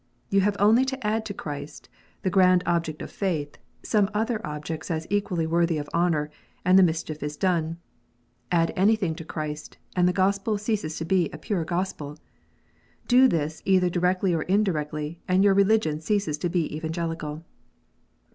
You have only to add to Christ, the grand object of faith, some other objects as equally worthy of honour, and the mischief is done. Add any thing to Christ, and the Gospel ceases to be a pure Gospel ! Do this, either directly or indirectly, and your religion ceases to be Evangelical.